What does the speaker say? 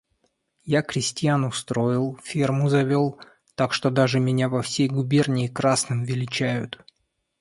Я крестьян устроил, ферму завел, так что даже меня во всей губернии красным величают.